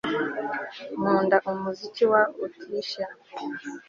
Nkunda umuziki wa Otirishiya